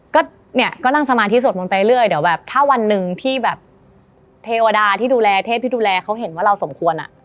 ก็เนี่ยก็นั่งสมาธิสวดมนต์ไปเรื่อยเดี๋ยวแบบถ้าวันหนึ่งที่แบบเทวดาที่ดูแลเทพที่ดูแลเขาเห็นว่าเราสมควรอ่ะ